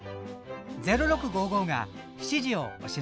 「０６」が７時をお知らせします。